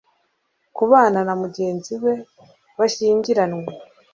kubana na mugenzi we bashyingiranywe